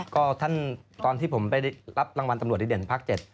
ก็ท่านตอนที่ผมไปรับรางวัลตำรวจดีเด่นภาค๗